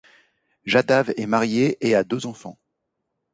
Jadhav est marié et a deux enfants.